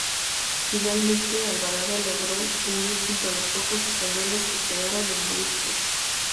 Finalmente, Alvarado logró huir junto a los pocos españoles que quedaron en buques.